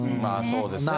そうですね。